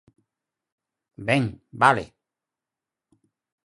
¡Ben!, ¡vale!